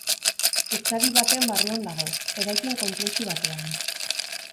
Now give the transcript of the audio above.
Etxadi baten barruan dago, eraikin konplexu batean.